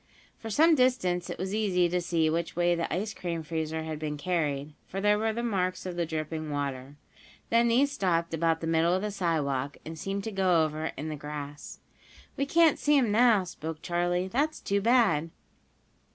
For some distance it was easy to see which way the ice cream freezer had been carried, for there were the marks of the dripping water. Then these stopped about the middle of the sidewalk, and seemed to go over in the grass. "We can't see 'em now," spoke Charley. "That's too bad."